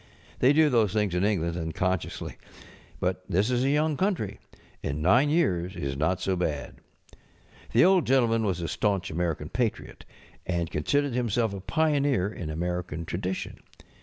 They do those things in England un┬¼ consciously. But this is a young country, and nine years is not so bad. The Old Gentleman was a staunch American patriot, and considered himself a pioneer in American tradition.